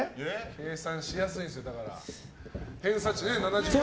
計算しやすいんですよ、だから。